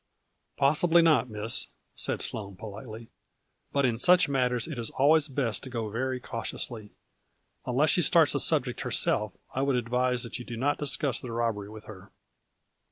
" Possibly not, Miss," said Sloane politely ;" but in such matters it is always best to go very cautiously. Unless she starts the subject her self, I would advise that you do not discuss the robbery with her."